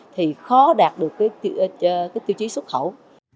thì khó đạt được cái tiêu chí xuất khẩu